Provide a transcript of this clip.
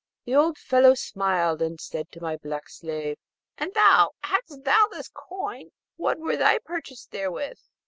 The old fellow smiled, and said to my black slave, 'And thou, hadst thou this coin, what were thy purchase therewith?'